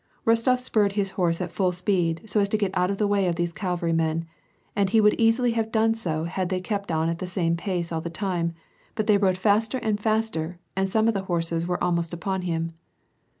Kostof spurred his horse at full speed, so as to get out of the way of these cavalry men, and he would easily have done 80 had they kept on at the same pace all the time, but they rode faster and faster, and some of the horses were almost upon him.